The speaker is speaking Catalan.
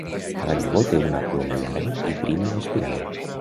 Cada llavor té una ploma llarga i prima en espiral.